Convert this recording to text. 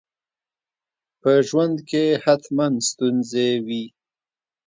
په ژوند کي حتماً ستونزي وي.